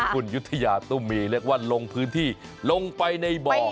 คุณยุธยาตุ้มมีเรียกว่าลงพื้นที่ลงไปในบ่อ